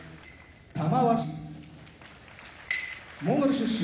玉鷲モンゴル出身